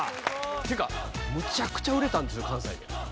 っていうかむちゃくちゃ売れたんですよ関西で。